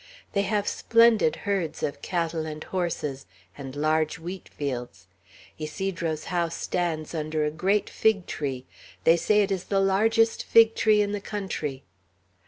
They have splendid herds of cattle and horses, and large wheat fields. Ysidro's house stands under a great fig tree; they say it is the largest fig tree in the country."